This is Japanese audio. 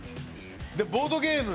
ボードゲーム。